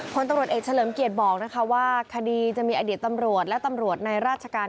คนตำรวจเอกเฉลิมเกียรติบอกว่าคดีจะมีอดีตตำรวจและตำรวจในราชการ